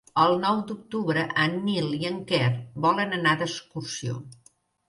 El nou d'octubre en Nil i en Quer volen anar d'excursió.